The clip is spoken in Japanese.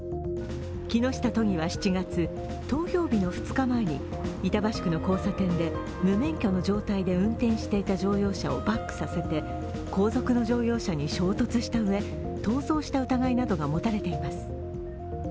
木下都議は７月、投票日の２日前に板橋区の交差点で無免許の状態で運転していた乗用車をバックさせて後続の乗用車に衝突したうえ逃走した疑いなどが持たれています。